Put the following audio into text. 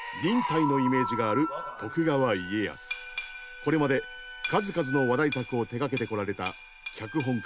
これまで数々の話題作を手がけてこられた脚本家